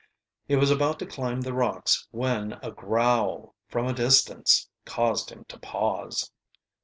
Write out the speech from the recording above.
He was about to climb the rocks when a growl from a distance caused him to pause.